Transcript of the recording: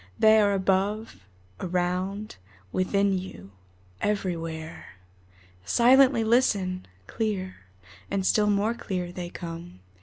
They are above, around, within you, everywhere. Silently listen! Clear, and still more clear, they come.